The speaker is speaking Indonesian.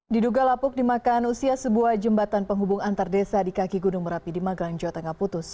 diduga lapuk dimakan usia sebuah jembatan penghubung antar desa di kaki gunung merapi di magelang jawa tengah putus